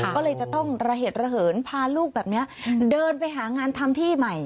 ก็เลยจะต้องระเหตุระเหินพาลูกแบบนี้เดินไปหางานทำที่ใหม่